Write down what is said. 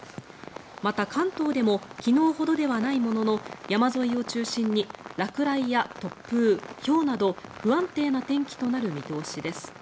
また、関東でも昨日ほどではないものの山沿いを中心に落雷や突風、ひょうなど不安定な天気となる見通しです。